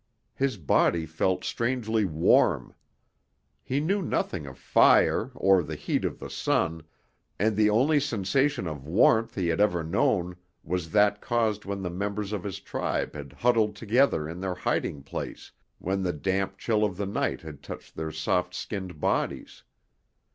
His body felt strangely warm. He knew nothing of fire or the heat of the sun, and the only sensation of warmth he had ever known was that caused when the members of his tribe had huddled together in their hiding place when the damp chill of the night had touched their soft skinned bodies.